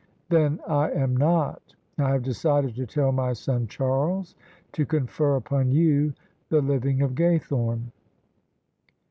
" Then I am not. I have decided to tell my son Charles to confer upon you the living of Gaythome."